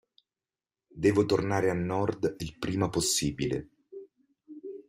Devo tornare a Nord il prima possibile.